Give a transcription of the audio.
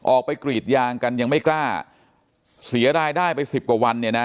ออกไปกรีดยางกันยังไม่กล้าเสียรายได้ไปสิบกว่าวันเนี่ยนะ